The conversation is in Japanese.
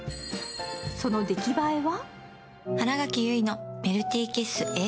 その出来栄えは？